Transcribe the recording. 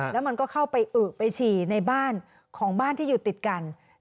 แล้วมันก็เข้าไปอึกไปฉี่ในบ้านของบ้านที่อยู่ติดกัน